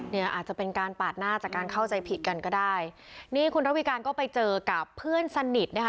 เนี่ยอาจจะเป็นการปาดหน้าจากการเข้าใจผิดกันก็ได้นี่คุณระวิการก็ไปเจอกับเพื่อนสนิทนะคะ